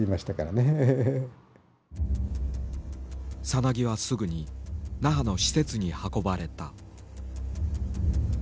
さなぎはすぐに那覇の施設に運ばれた。